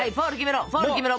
フォール決めろ！